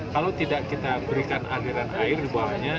kalau tidak kita berikan aliran air di bawahnya